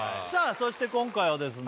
そして今回はですね